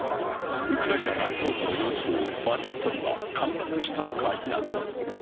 ウクライナ南東部の要衝マリウポリは陥落したのか否か。